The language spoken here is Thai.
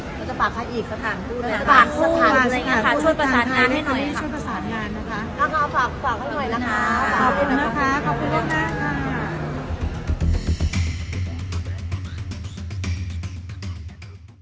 เราจะฝากใครอีกสถานกู้นะคะช่วยประสานงานให้หน่อยนะคะโอเคฝากให้หน่อยนะคะขอบคุณนะคะขอบคุณล่วงมากค่ะ